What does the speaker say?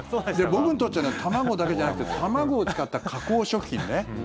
僕にとっちゃ卵だけじゃなくて卵を使った加工食品ね。